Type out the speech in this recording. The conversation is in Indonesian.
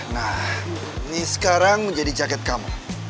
nah ini sekarang menjadi jaket kamu